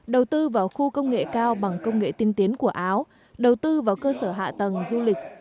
đầu tư vào khu công nghệ cao bằng công nghệ tiên tiến của áo đầu tư vào cơ sở hạ tầng du lịch